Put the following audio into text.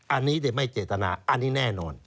อันนี้ไม่เจตนาอันนี้แน่นอน